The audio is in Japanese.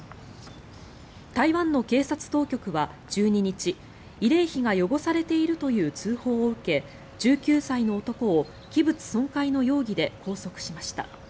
台湾の警察当局は１２日慰霊碑が汚されているという通報を受け１９歳の男を器物損壊の容疑で拘束しました。